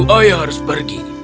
ayah harus pergi